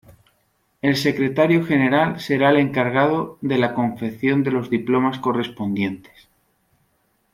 El Secretario General será el encargado de la confección de los diplomas correspondientes.